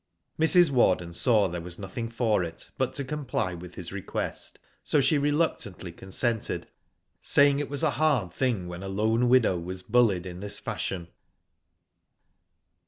'* Mrs. Warden saw there was nothing for it but to comply with his request, so she reluctantly consented, saying it was a hard thing when a lone widow was bullied in this fashion.